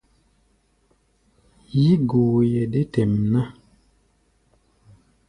Yí-goeʼɛ dé tɛʼm ná.